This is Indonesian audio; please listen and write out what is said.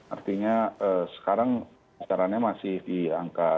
artinya sekarang besarannya masih di angka